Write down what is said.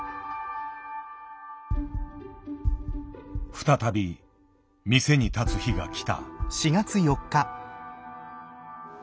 再び店に立つ日が来た。